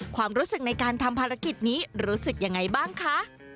ความรู้สึกในการทำภารกิจนี้รู้สึกยังไงบ้างคะ